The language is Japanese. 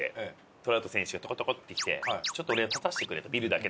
トラウト選手がトコトコって来てちょっと俺立たせてくれと見るだけ。